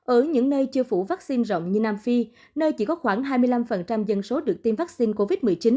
ở những nơi chưa phủ vaccine rộng như nam phi nơi chỉ có khoảng hai mươi năm dân số được tiêm vaccine covid một mươi chín